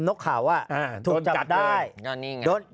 อ๋อน็อบขาวจนจะตาย